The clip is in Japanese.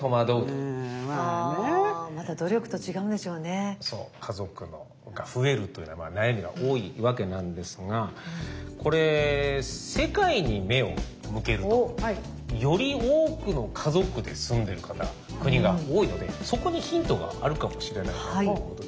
行ってみたけども家族が増えるというのは悩みが多いわけなんですがこれ世界に目を向けるとより多くの家族で住んでる方国が多いのでそこにヒントがあるかもしれないということで。